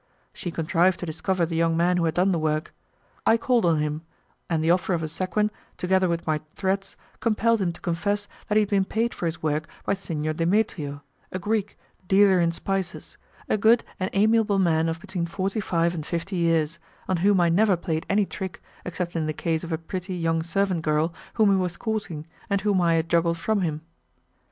She contrived to discover the young man who had done the work. I called on him, and the offer of a sequin, together with my threats, compelled him to confess that he had been paid for his work by Signor Demetrio, a Greek, dealer in spices, a good and amiable man of between forty five and fifty years, on whom I never played any trick, except in the case of a pretty, young servant girl whom he was courting, and whom I had juggled from him.